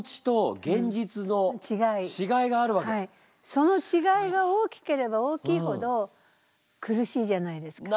その違いが大きければ大きいほど苦しいじゃないですか。